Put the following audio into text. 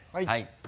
はい。